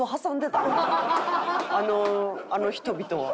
あのあの人々は。